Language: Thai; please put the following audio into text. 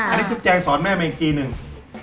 อันนี้คุณแจงสอนแม่มาอีกทีหนึ่ง